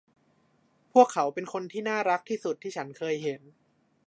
พวกเขาเป็นคนที่น่ารักที่สุดที่ฉันเคยเห็น